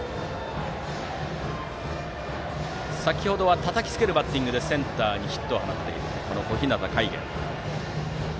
先程はたたきつけるバッティングでセンターにヒットを放った小日向。